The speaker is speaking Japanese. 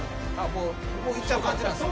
もういっちゃう感じなんすね。